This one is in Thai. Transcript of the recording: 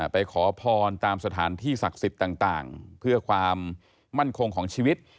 ขอพรตามสถานที่ศักดิ์สิทธิ์ต่างเพื่อความมั่นคงของชีวิต